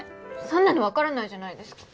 そんなのわからないじゃないですか！